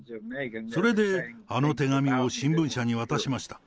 それで、あの手紙を新聞社に渡しました。